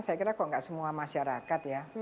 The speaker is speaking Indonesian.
saya kira kok nggak semua masyarakat ya